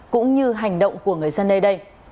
cũng như hành động của người dân nơi đây